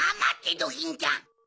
ドキンちゃん。